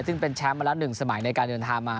ซึ่งเป็นแชมป์มาแล้ว๑สมัยในการเดินทางมา